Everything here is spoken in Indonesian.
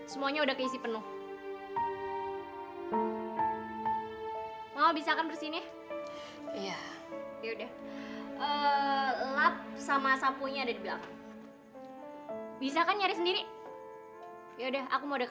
semuanya sudah keisi penuh